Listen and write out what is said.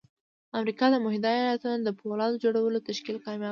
د امريکا د متحده ايالتونو د پولاد جوړولو تشکيل کامياب شو.